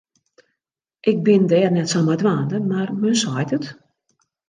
Ik bin dêr net sa mei dwaande, mar men seit it.